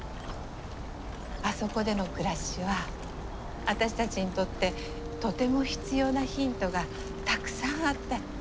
あそこでの暮らしは私たちにとってとても必要なヒントがたくさんあったって。